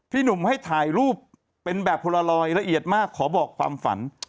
หนุ่มให้ถ่ายรูปเป็นแบบพลลอยละเอียดมากขอบอกความฝัน